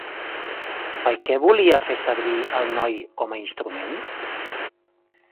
Per què volia fer servir el noi com a instrument?